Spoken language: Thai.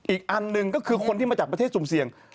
อีกอันหนึ่งก็คือคนที่มาจากประเทศสุ่มเสี่ยง